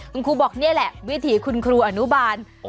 คุณครูบอกนี่แหละวิถีคุณครูอนุบาล